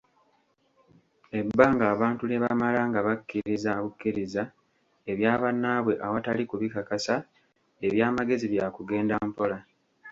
Ebbanga abantu lye bamala nga bakkiriza bukkiriza ebya bannaabwe awatali kubikakasa, ebyamagezi byakugenda mpola.